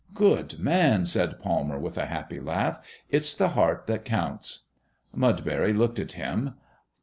"Good man!" said Palmer with a happy laugh. "It's the heart that counts." Mudbury looked at him.